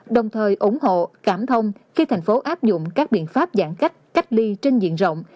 đồng thời ủng hộ cảm thông khi thành phố áp dụng các biện pháp giãn cách cách ly trên diện rộng